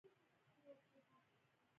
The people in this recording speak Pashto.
ښایست د ښکلي ژوند شروعات دی